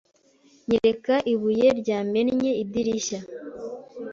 Nyereka ibuye ryamennye idirishya.